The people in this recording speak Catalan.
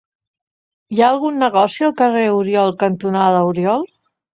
Hi ha algun negoci al carrer Oriol cantonada Oriol?